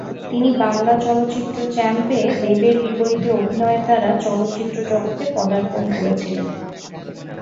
তিনি বাংলা চলচ্চিত্র চ্যাম্প-এ দেবের বিপরীতে অভিনয়ের দ্বারা চলচ্চিত্র জগতে পদার্পণ করেছিলেন।